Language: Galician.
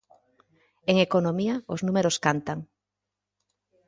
En economía, os números cantan.